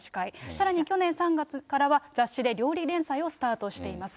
さらに去年３月からは、雑誌で料理連載をスタートしています。